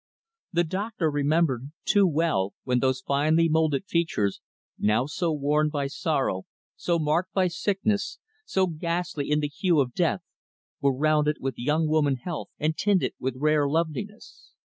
The doctor remembered, too well, when those finely moulded features now, so worn by sorrow, so marked by sickness, so ghastly in the hue of death were rounded with young woman health and tinted with rare loveliness.